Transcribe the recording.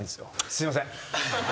すいません。